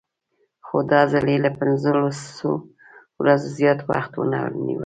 خو دا ځل یې له پنځلسو ورځو زیات وخت ونه نیوه.